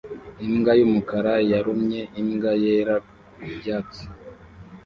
Imbwa y'umukara yarumye imbwa yera ku byatsi